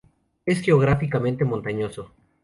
Es geográficamente montañoso.